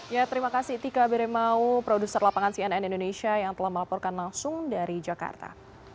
ya terima kasih tika beremau produser lapangan cnn indonesia yang telah melaporkan langsung dari jakarta